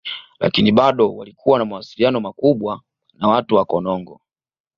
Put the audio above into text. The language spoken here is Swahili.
Lakini bado walikuwa na mawasiliano makubwa na watu wa Konongo